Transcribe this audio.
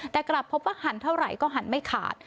แต่กลับพบว่าหันเท่าไหร่ก็หันไม่ขาด